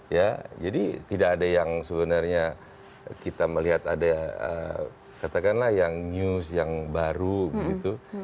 ya jadi tidak ada yang sebenarnya kita melihat ada katakanlah yang news yang baru gitu